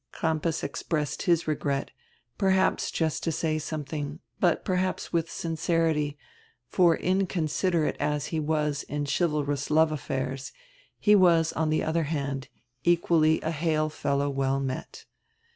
Crampas expressed his regret, perhaps just to say something, but perhaps widi sincerity, for inconsiderate as he was in chivalrous love affairs, he was, on die other hand, equally a hale fellow well met.